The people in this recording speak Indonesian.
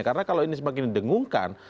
karena kalau ini semakin didengungkan